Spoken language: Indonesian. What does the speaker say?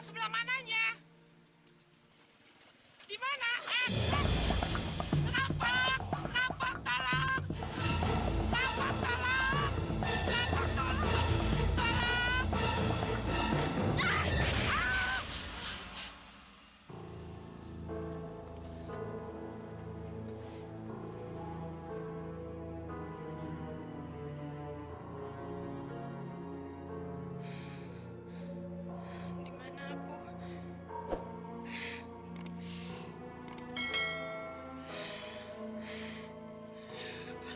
bagaimana kalau tidur di rumah